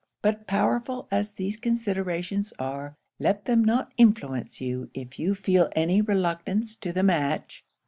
But powerful as these considerations are, let them not influence you if you feel any reluctance to the match.